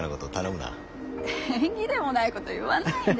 縁起でもないこと言わないで。